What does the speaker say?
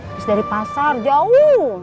abis dari pasar jauh